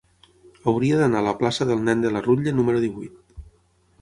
Hauria d'anar a la plaça del Nen de la Rutlla número divuit.